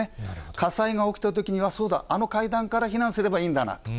火災が起きたときには、そうだ、あの階段から避難すればいいんだなと。